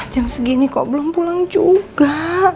jam segini kok belum pulang juga